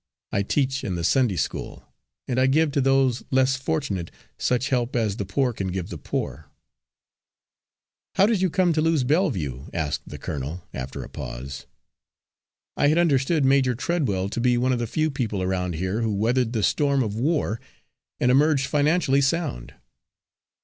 I teach in the Sunday School, and I give to those less fortunate such help as the poor can give the poor." "How did you come to lose Belleview?" asked the colonel, after a pause. "I had understood Major Treadwell to be one of the few people around here who weathered the storm of war and emerged financially sound."